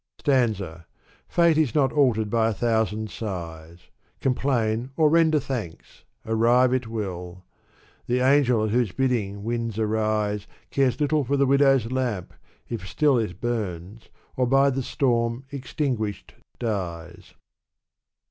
Stanza. Fate is not altered by a thousand sighs ; Complain or render thanks — arrive it will : The angel at whose bidding winds arise Cares little for the widow's lamp, if still It bums, or by the storm extinguished dies.